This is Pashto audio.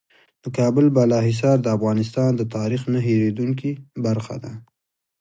د کابل بالا حصار د افغانستان د تاریخ نه هېرېدونکې برخه ده.